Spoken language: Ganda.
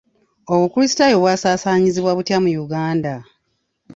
Obukulisitaayo bwasaasaanyizibwa butya mu Uganda?